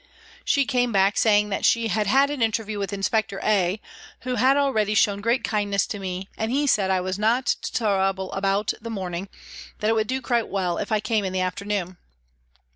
She came back, saying that she had had an interview with Inspector A , who had already shown great kindness to me, and he had said I was not to trouble about the morning, that it would do quite well if I came in the afternoon.